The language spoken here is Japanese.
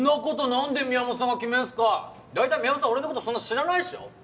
こと何で宮本さんが決めんすか大体宮本さん俺のことそんな知らないっしょ？